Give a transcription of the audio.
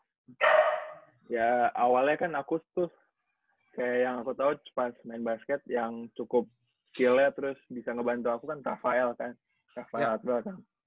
ya awalnya kan aku tuh kayak yang aku tahu pas main basket yang cukup skillnya terus bisa ngebantu aku kan rafael kan